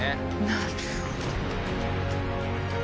なるほど。